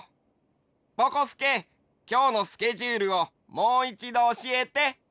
ぼこすけきょうのスケジュールをもういちどおしえて。